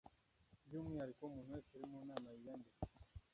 By’ umwihariko umuntu wese uri mu Nama yiyandike